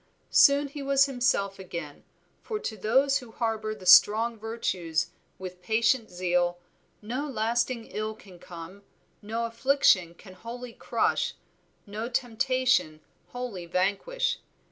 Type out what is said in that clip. Soon he was himself again, for to those who harbor the strong virtues with patient zeal, no lasting ill can come, no affliction can wholly crush, no temptation wholly vanquish.